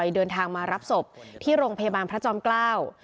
เดินทางมารับศพที่โรงพยาบาลพระจอมเกล้า